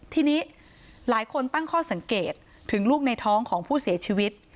ทีนี้หลายคนตั้งข้อสังเกตถึงลูกในท้องของผู้เสียชีวิต